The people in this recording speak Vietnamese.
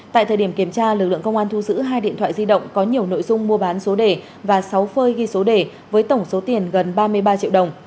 tại thời điểm kiểm tra lực lượng công an thu giữ hai điện thoại di động có nhiều nội dung mua bán số đề và sáu phơi ghi số đề với tổng số tiền gần ba mươi ba triệu đồng